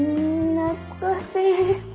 懐かしい！